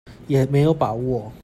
也沒有把握